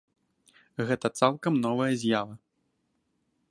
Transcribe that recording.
Гэта цалкам новая з'ява.